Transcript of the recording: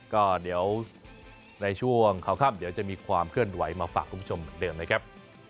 ก็เดี๋ยวในช่วงข่าวค่ำเดี๋ยวจะมีความเคลื่อนไหวมาฝากคุณผู้ชมเหมือนเดิมนะครับ